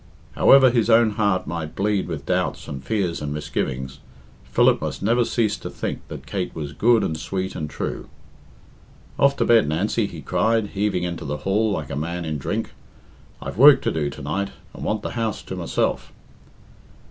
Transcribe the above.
However his own heart might bleed with doubts and fears and misgivings, Philip must never cease to think that Kate was good and sweet and true. "Off to bed, Nancy," he cried, heaving into the hall like a man in drink. "I've work to do to night, and want the house to myself."